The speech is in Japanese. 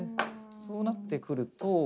「そうなってくると」